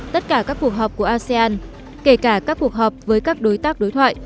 tất cả các cuộc họp của asean kể cả các cuộc họp với các đối tác đối thoại